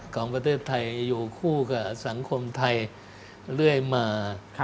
ของประเทศไทยอยู่คู่กับสังคมไทยเรื่อยมา